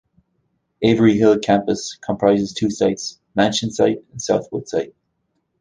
Avery Hill Campus comprises two sites, Mansion Site and Southwood Site.